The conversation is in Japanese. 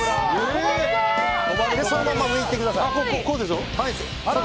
そのまま上に行ってください。